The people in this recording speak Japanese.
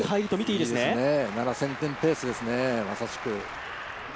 いいですね、７０００点ペースですね、まさしく。